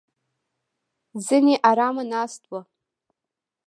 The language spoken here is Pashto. ځینې ارامه ناست وو.